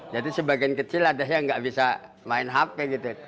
jadi sebagian kecil ada yang enggak bisa main hp gitu